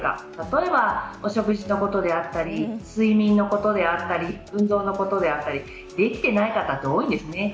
例えば、お食事のことであったり睡眠のことであったり運動のことであったりできていない方って多いんですね。